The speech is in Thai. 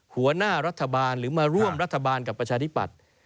หัวหน้ารัฐบาลหรือมาร่วมรัฐบาลกับประชาธิปัตย์